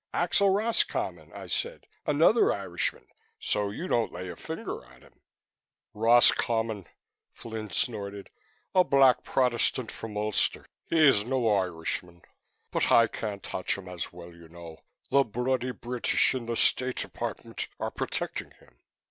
"Axel Roscommon," I said, "another Irishman, so you don't dare lay a finger on him." "Roscommon!" Flynn snorted. "A black Protestant from Ulster. He's no Irishman, but I can't touch him, as well you know. The bloody British in the State Department are protecting him."